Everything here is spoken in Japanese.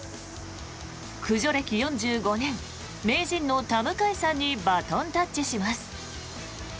駆除歴４５年、名人の田迎さんにバトンタッチします。